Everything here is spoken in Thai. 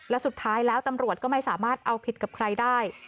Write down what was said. และสุดท้ายแล้วตำรวจก็ไม่สามารถเอาผิดกับใครได้